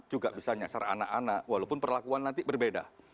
juga bisa nyasar anak anak walaupun perlakuan nanti berbeda